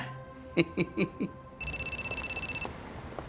ヘヘヘヘ。